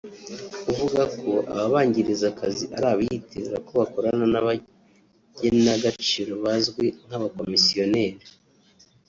uvuga ko ababangiriza akazi ari abiyitirira ko bakorana n’abagenagaciro bazwi nk’abakomisiyoneri